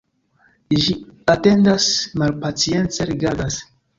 Ĝi atendas, malpacience rigardas.